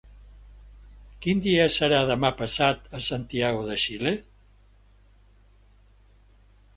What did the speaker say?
Quin dia serà demà passat a Santiago de Xile?